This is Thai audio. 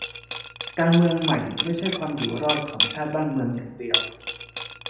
การเมืองใหม่ไม่ใช่ความอยู่รอดของชาติบ้านเมืองอย่างเดียว